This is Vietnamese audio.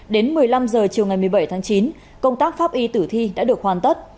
đến một mươi năm h chiều ngày một mươi bảy tháng chín công tác pháp y tử thi đã được hoàn tất